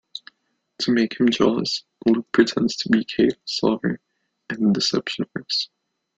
To make him jealous, Luc pretends to be Kate's lover, and the deception works.